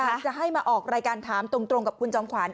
จะให้มาออกรายการถามตรงกับคุณจอมขวัญ